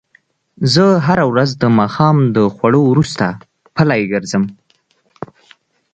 زه هره ورځ د ماښام د خوړو وروسته پلۍ ګرځم